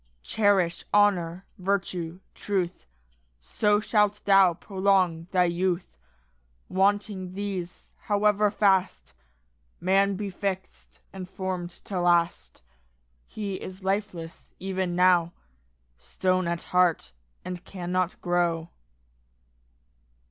Cherish honour, virtue, truth, So shalt thou prolong thy youth. Wanting these, however fast Man be fix'd and form'd to last, He is lifeless even now, Stone at heart, and cannot grow.